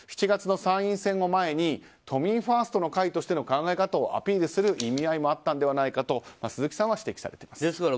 ７月の参院選を前に都民ファーストの会としての考え方をアピールする意味合いもあったのではないかと鈴木さんは指摘されています。